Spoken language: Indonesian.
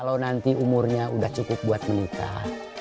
kalau nanti umurnya sudah cukup buat menikah